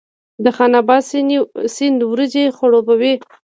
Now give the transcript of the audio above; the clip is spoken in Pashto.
د خان اباد سیند وریجې خړوبوي